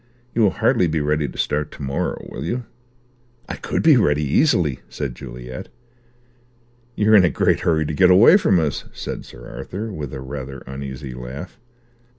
You will hardly be ready to start to morrow, will you?" "I could be ready, easily," said Juliet. "You're in a great hurry to get away from us," said Sir Arthur, with a rather uneasy laugh.